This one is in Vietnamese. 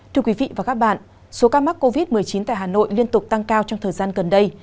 thưa quý vị và các bạn số ca mắc covid một mươi chín tại hà nội liên tục tăng cao trong thời gian gần đây